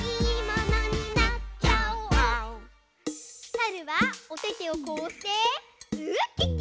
さるはおててをこうしてウッキッキ！